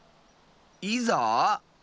「いざ」？